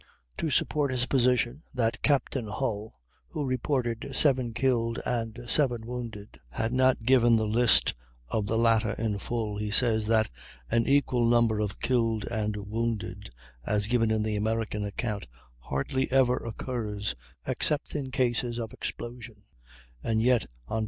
To support his position that Capt. Hull, who reported 7 killed and 7 wounded, had not given the list of the latter in full, he says that "an equal number of killed and wounded, as given in the American account, hardly ever occurs, except in cases of explosion"; and yet, on p.